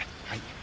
はい。